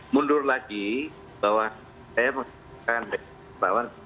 mundur lagi bahwa saya mengatakan bahwa